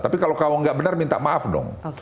tapi kalau kamu nggak benar minta maaf dong